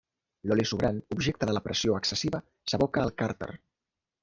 L'oli sobrant, objecte de la pressió excessiva, s'aboca al càrter.